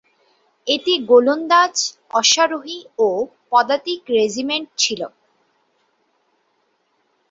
এতে গোলন্দাজ, অশ্বারোহী ও পদাতিক রেজিমেন্ট ছিল।